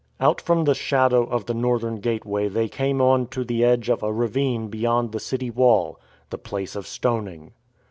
Out from the shadow of the northern gateway they came on to the edge of a ravine beyond the city wall, the Place of Stoning.